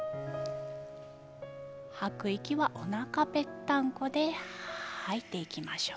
吐く息は、おなかぺったんこで吐いていきましょう。